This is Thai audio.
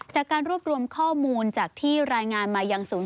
จากการรวบรวมข้อมูลจากที่รายงานมายังศูนย์